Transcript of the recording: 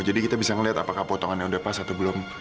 jadi kita bisa ngeliat apakah potongannya udah pas atau belum